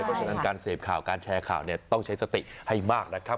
เพราะฉะนั้นการเสพข่าวการแชร์ข่าวเนี่ยต้องใช้สติให้มากนะครับ